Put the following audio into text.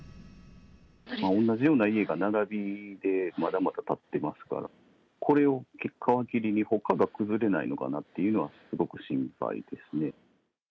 同じような家が並びでまだまだ建ってますから、これを皮切りに、他が崩れないのかなというのがすごく心配ですね。